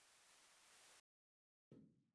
په افغانستان کې کوچیان ډېر اهمیت لري.